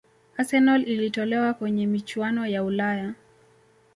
arsenal ilitolewa kwenye michuano ya ulaya